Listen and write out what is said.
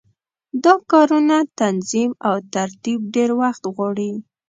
دا کارونه تنظیم او ترتیب ډېر وخت غواړي.